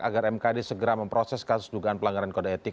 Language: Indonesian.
agar mkd segera memproses kasus dugaan pelanggaran kode etik